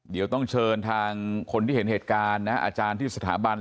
เดี๋ยวต้องเชิญทางคนที่เห็นเหตุการณ์นะอาจารย์ที่สถาบัน